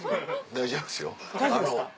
大丈夫ですか？